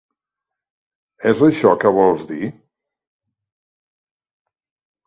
És això, que vols dir?